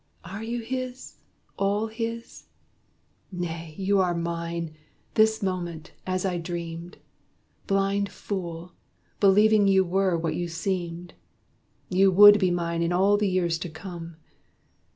Are you his all his? Nay you are mine, this moment, as I dreamed Blind fool believing you were what you seemed You would be mine in all the years to come.